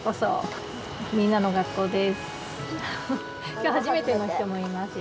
今日初めての人もいますよ。